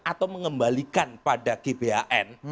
atau mengembalikan pada gbhn